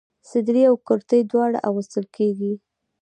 صدرۍ او کرتۍ دواړه اغوستل کيږي.